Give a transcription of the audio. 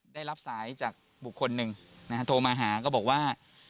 ได้รับสายจากบุคคลหนึ่งนะฮะโทรมาหาก็บอกว่า